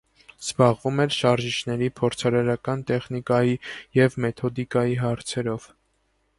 Զբաղվում էր շարժիչների փորձարարական տեխնիկայի և մեթոդիկայի հարցերով։